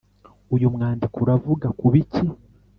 Uyu mwandiko uravuga ku biki?